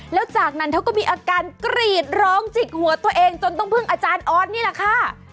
แล้วจากนั้นเธอก็มีอาการกรีดร้องจิกหัวตัวเองจนต้องพึ่งอาจารย์ออสนี่แหละค่ะ